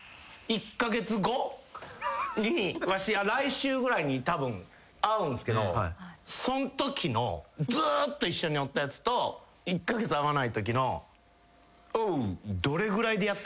１カ月後にわし来週ぐらいにたぶん会うんすけどそんときのずっと一緒におったやつと１カ月会わないときの。